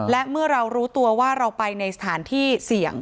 และเมื่อเรารู้ตัวว่าเราไปในสถานที่เสี่ยง